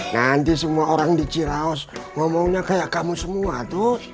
nanti semua orang di cilaus ngomongnya kayak kamu semua tuh